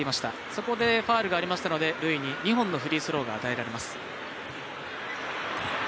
そこでファウルがありましたのでルイに２本のフリースローが与えられます。